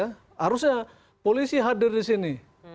harusnya polisi hadir disini